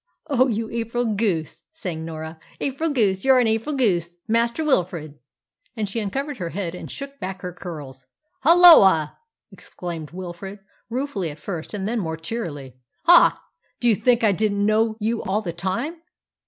"Oh, you April goose!" sang Norah; "April goose you're an April goose, Master Wilfrid!" And she uncovered her head and shook back her curls. "Halloa!" exclaimed Wilfrid, ruefully at first, and then added more cheerily "Ha! Do you think I didn't know you all the time?"